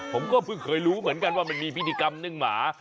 ผมก็เพิ่งเคยรู้เหมือนกันว่ามันมีพิธีกรรมนึ่งหมา